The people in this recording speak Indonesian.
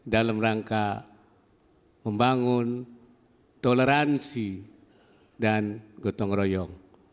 dalam rangka membangun toleransi dan gotong royong